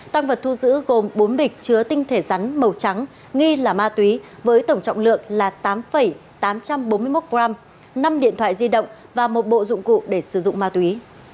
tăng vật thu giữ gồm bốn bịch chứa tinh thể rắn màu trắng nghi là ma túy với tổng trọng lượng là tám tám trăm bốn mươi một g năm điện thoại di động và một bộ dụng cụ để sử dụng ma túy